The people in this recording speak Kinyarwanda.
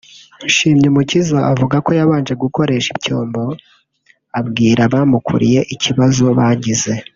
Nshimyumukiza avuga ko yabanje gukoresha icyombo abwira abamukuriye ikibazo bagize